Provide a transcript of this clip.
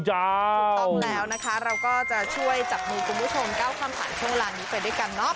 ถูกต้องแล้วนะคะเราก็จะช่วยจับมือคุณผู้ชมก้าวข้ามผ่านช่วงเวลานี้ไปด้วยกันเนาะ